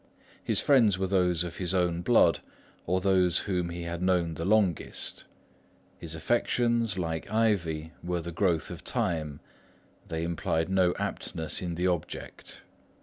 His friends were those of his own blood or those whom he had known the longest; his affections, like ivy, were the growth of time, they implied no aptness in the object.